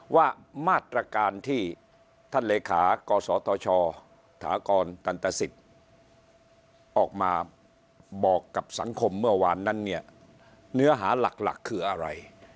ว่ามาตรการที่ท่านเลขากศธชถากรตันตสิทธิ์ออกมาบอกกับสังคมเมื่อวานนั้นเนี่ยเนื้อหาหลักคืออะไร